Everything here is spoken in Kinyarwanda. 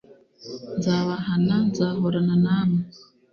nzabahana. nzahorana namwe